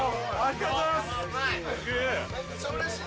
めっちゃうれしい。